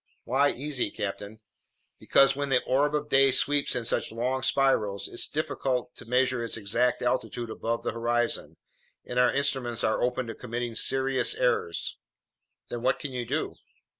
"Why easy, captain?" "Because when the orb of day sweeps in such long spirals, it's difficult to measure its exact altitude above the horizon, and our instruments are open to committing serious errors." "Then what can you do?"